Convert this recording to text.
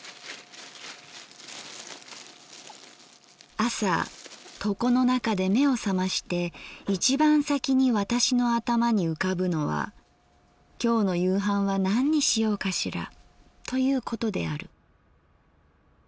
「あさ床の中で眼をさまして一番さきに私の頭に浮かぶのは今日の夕飯は何にしようかしらということである。